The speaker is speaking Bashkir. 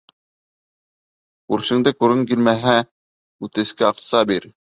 Күршеңде күргең килмәһә, үтескә аҡса бир.